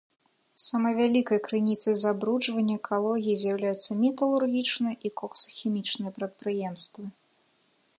Самай вялікай крыніцай забруджвання экалогіі з'яўляюцца металургічныя і коксахімічныя прадпрыемствы.